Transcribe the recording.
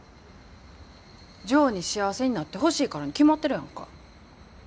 ジョーに幸せになってほしいからに決まってるやんか。